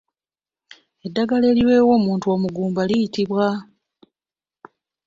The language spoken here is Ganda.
Eddagala eriweebwa omuntu omugumba liyitibwa?